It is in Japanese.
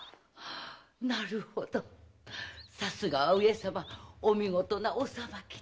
なるほどさすがは上様お見事なお裁きで。